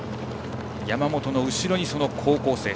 山本の後ろにその高校生。